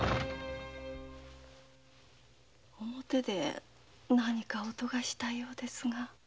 表で何か音がしたようですが？